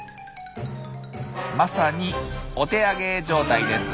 まさにお手上げ状態です。